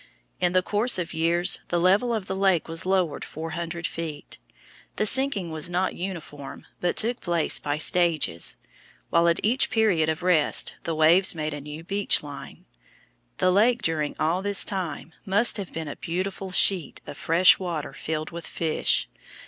In the course of years the level of the lake was lowered four hundred feet. The sinking was not uniform, but took place by stages, while at each period of rest the waves made a new beach line. The lake during all this time must have been a beautiful sheet of fresh water filled with fish.